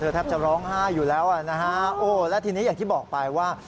เธอแทบจะร้องไห้อยู่แล้วและทีนี้อยากที่บอกไปว่า